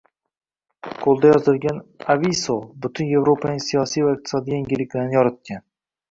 Qo‘lda yozilgan «awiso» butun Yevropaning siyosiy va iqtisodiy yangiliklarini yoritgan.